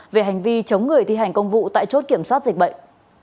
về hành vi chống người thi hành công vụ tại chốt kiểm soát dịch bệnh